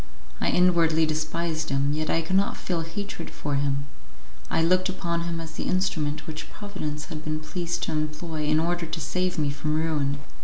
I inwardly despised him, yet I could not feel hatred for him; I looked upon him as the instrument which Providence had been pleased to employ in order to save me from ruin.